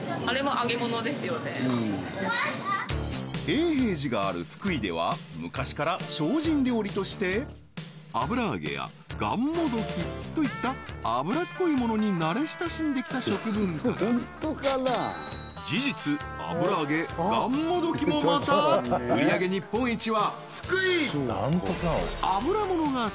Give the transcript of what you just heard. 永平寺がある福井では昔から精進料理として油揚げやがんもどきといった油っこいものに慣れ親しんできた食文化が事実油揚げがんもどきもまた売上げ日本一は福井！